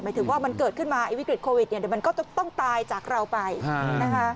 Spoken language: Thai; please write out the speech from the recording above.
ถึงว่ามันเกิดขึ้นมาไอ้วิกฤตโควิดเนี่ยเดี๋ยวมันก็ต้องตายจากเราไปนะคะ